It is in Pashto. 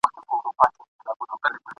پر قبرونو مو خدای ایښی برکت دی ..